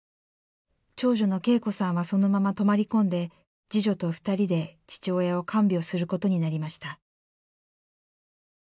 長女の景子さんはそのまま泊まり込んで次女と２人で父親を看病することになりました。